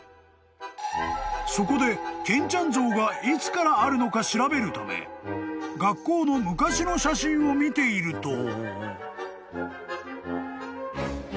［そこで健ちゃん像がいつからあるのか調べるため学校の昔の写真を見ていると］